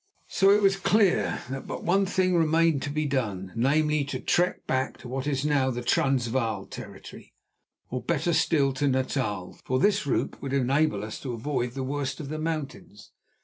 So it was clear that but one thing remained to be done, namely, to trek back to what is now the Transvaal territory, or, better still, to Natal, for this route would enable us to avoid the worst of the mountains.